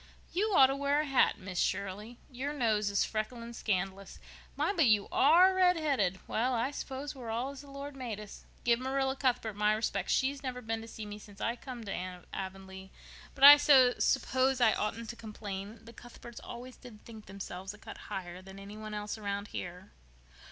You ought to wear a hat, Miss Shirley. Your nose is freckling scandalous. My, but you are redheaded! Well, I s'pose we're all as the Lord made us! Give Marilla Cuthbert my respects. She's never been to see me since I come to Avonlea, but I s'pose I oughtn't to complain. The Cuthberts always did think themselves a cut higher than any one else round here."